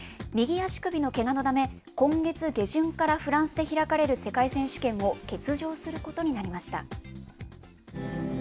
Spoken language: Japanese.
右足首のけがのため、今月下旬からフランスで開かれる世界選手権を欠場することになりました。